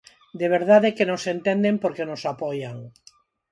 De verdade que nos entenden porque nos apoian.